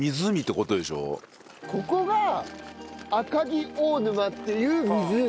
ここが赤城大沼っていう湖。